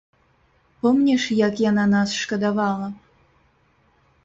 Помніш, як яна нас шкадавала?